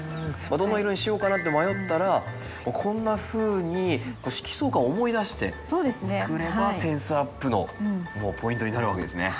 どの色にしようかなって迷ったらこんなふうに色相環を思い出して作ればセンスアップのポイントになるわけですね。